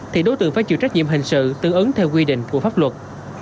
thì đối tượng phải chịu trách nhiệm hình sự tư ứng theo quy định của pháp luật